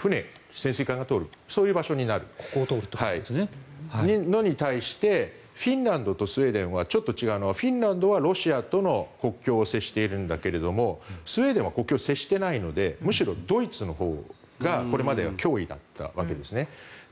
それに対してフィンランドとスウェーデンがちょっと違うのはフィンランドはロシアとの国境を接しているんだけれどもスウェーデンは国境を接していないのでむしろドイツのほうがこれまでは脅威だったわけですね。